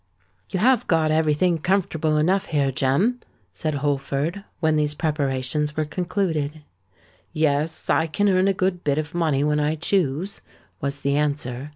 "You have got every thing comfortable enough here, Jem," said Holford, when these preparations were concluded. "Yes; I can earn a good bit of money when I choose," was the answer.